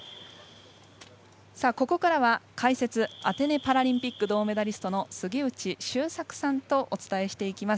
ここからは解説アテネパラリンピック銅メダリストの杉内周作さんとお伝えしていきます。